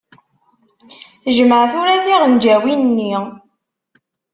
Jmeɛ tura tiɣenǧawin-nni.